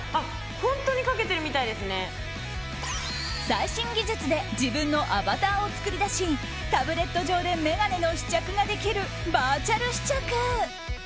最新技術で自分のアバターを作り出しタブレット上で眼鏡の試着ができるバーチャル試着。